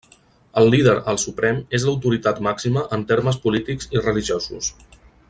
El Líder el Suprem és l'autoritat màxima en termes polítics i religiosos.